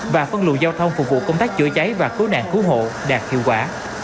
và phân lùi giao thông phục vụ công tác chữa cháy và cứu nạn cứu hộ đạt hiệu quả